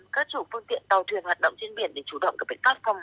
các chủ phương tiện tàu thuyền hoạt động trên biển để chủ động các bệnh tác phòng